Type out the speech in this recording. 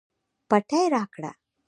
پټۍ راکړه